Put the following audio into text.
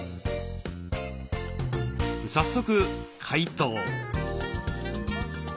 早速解凍。